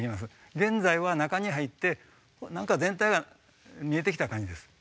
現在は中に入って全体が見えてきた感じです。